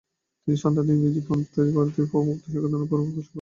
তিনি সন্তানদের ইংরেজি পন্থায় এবং ভারতীয় প্রভাবমুক্ত শিক্ষাদানের মনোভাব পোষণ করতেন।